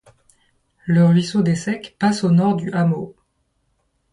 Le ruisseau des Secs passe au nord du hameau.